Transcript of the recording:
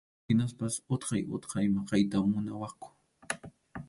Hinaspas utqay utqay maqayta munawaqku.